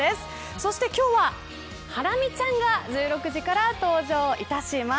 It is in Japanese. そして今日は、ハラミちゃんが１６時から登場いたします。